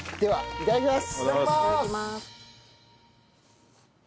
いただきます。